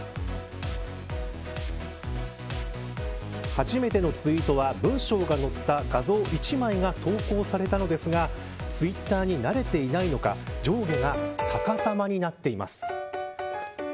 初めてのツイートは文章が載った画像一枚だけが投稿されたのですがツイッターに慣れていないのか上下が逆さまになっています。